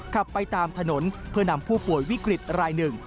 ขับไปตามถนนเพื่อนำผู้ป่วยวิกฤตรายหนึ่ง